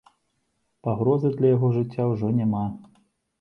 Пагрозы для яго жыцця ўжо няма.